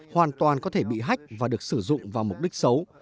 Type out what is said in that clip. hoàn toàn có thể bị hách và được sử dụng vào mục đích xấu